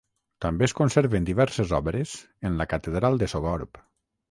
També es conserven diverses obres en la Catedral de Sogorb.